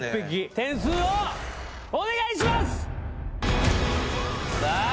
点数をお願いします。